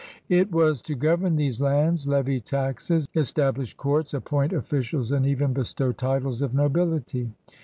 It was to govern these lands, levy taxes, establish courts, appoint officials, and even bestow titles of nobility.